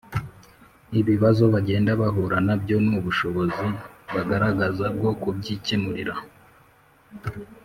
ibibazo bagenda bahura na byo n'ubushobozi bagaragaza bwo kubyikemurira.